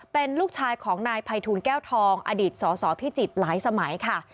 เป็นลูกชายของนายภัยทูลแก้วทองอดีตสสพิจิตรหลายสมัยค่ะ